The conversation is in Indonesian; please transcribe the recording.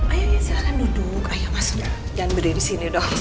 ayo ya silahkan duduk ayo mas jangan berdiri di sini dong